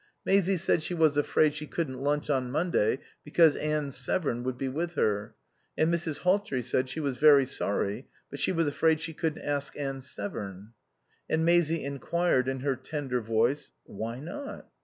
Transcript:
Maisie said she was afraid she couldn't lunch on Monday because Anne Severn would be with her, and Mrs. Hawtrey said she was very sorry, but she was afraid she couldn't ask Anne Severn. And Maisie enquired in her tender voice, "Why not?"